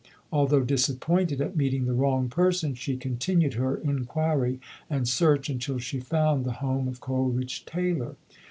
Although disappointed at meeting the wrong per son, she continued her inquiry and search until she found the home of Coleridge Taylor.